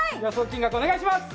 金額お願いします。